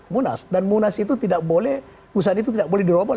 munas dan munas itu tidak boleh usaha itu tidak boleh diroboh